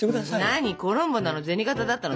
何コロンボなの銭形だったの？